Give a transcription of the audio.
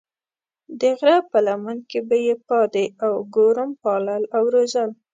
د غره په لمن کې به یې پادې او ګورم پالل او روزل.